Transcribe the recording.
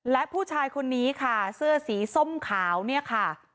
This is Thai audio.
และผู้ชายคนนี้ค่ะเสื้อสีส้มขาวเนี่ยค่ะ